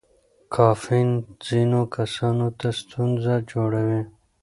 کافین ځینو کسانو ته ستونزه جوړوي.